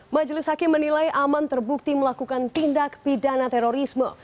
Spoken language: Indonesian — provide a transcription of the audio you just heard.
majelis hakim menilai aman terbukti melakukan tindak pidana terorisme